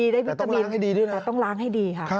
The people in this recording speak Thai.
ได้วิตามินแต่ต้องล้างให้ดีค่ะ